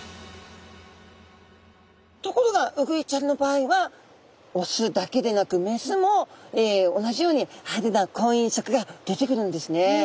ところがウグイちゃんの場合はオスだけでなくメスも同じように派手な婚姻色が出てくるんですね。